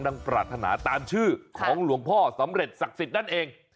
ปรารถนาตามชื่อของหลวงพ่อสำเร็จศักดิ์สิทธิ์นั่นเอง